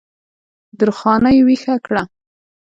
درخانۍ ویښه کړه